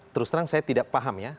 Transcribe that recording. terus terang saya tidak paham ya